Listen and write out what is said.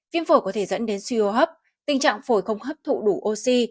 viêm phổi có thể dẫn đến suy hô hấp tình trạng phổi không hấp thụ đủ oxy